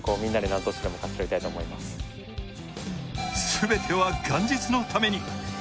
全ては元日のために。